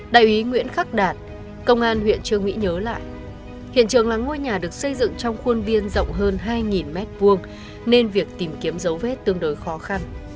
đại úy nguyễn khắc đạt công an huyện trương mỹ nhớ lại hiện trường là ngôi nhà được xây dựng trong khuôn biên rộng hơn hai m hai nên việc tìm kiếm dấu vết tương đối khó khăn